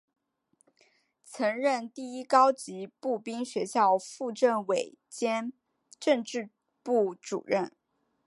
曾任第一高级步兵学校副政委兼政治部主任。